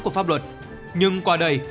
của pháp luật nhưng qua đây